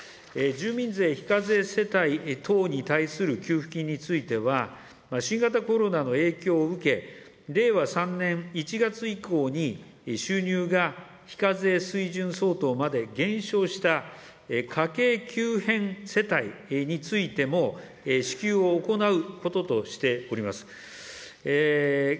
住民税非課税世帯等に対する給付金については、新型コロナの影響を受け、令和３年１月以降に、収入が非課税水準相当まで減少した家計急変世帯についても、支給を行うこととしております。